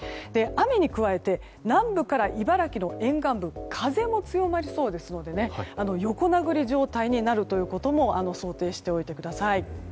雨に加えて南部から茨城の沿岸部風も強まりそうですので横殴り状態になるということも想定しておいてください。